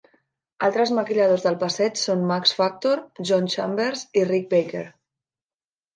Altres maquilladors del passeig són Max Factor, John Chambers i Rick Baker.